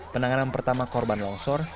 penanganan pertama korban longsor